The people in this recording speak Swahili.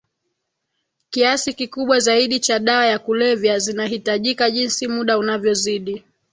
kiasi kikubwa zaidi cha dawa ya kulevya zinahitajika jinsi muda unavyozidi